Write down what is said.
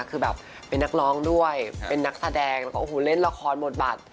คือแบบเป็นนักร้องด้วยเป็นนักแสดงแล้วก็โอ้โหเล่นละครหมดบัตร